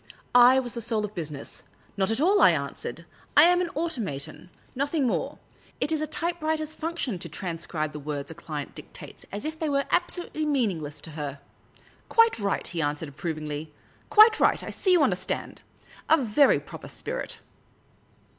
I was the soul of business. " Not at all," I answered. " I am an automaton — nothing more. It is a typewriter's func The Urbane Old Gentleman 159 tion to transcribe the words a client dictates as if tliey were absolutely meaningless to her." *' Quite right," he answered, approvingly. " Quite right. I see you understand. A very proper spirit